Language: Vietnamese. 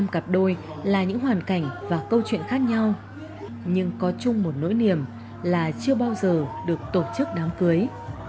năm cặp đôi là những hoàn cảnh và câu chuyện khác nhau nhưng có chung một nỗi niềm là chưa bao giờ được tổ chức đám cưới